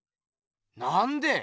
なんで？